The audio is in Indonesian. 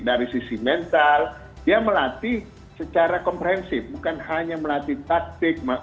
dari sisi mental dia melatih secara komprehensif bukan hanya melatih taktik